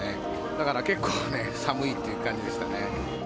だから結構ね、寒いという感じでしたね。